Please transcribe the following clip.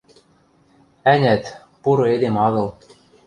Ӓнят, пуры эдем агыл...